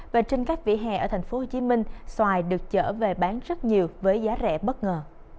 và trên các vỉa hè ở tp hcm xoài được chở về bán rất nhiều với giá rẻ bất ngờ